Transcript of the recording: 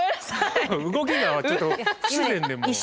動きがちょっと不自然でもう。